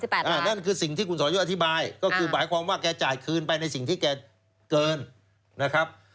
นั่นคือสิ่งที่คุณสอยุทธ์อธิบายก็คือหมายความว่าแกจ่ายคืนไปในสิ่งที่แกเกินนะครับ